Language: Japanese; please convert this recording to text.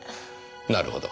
なるほど。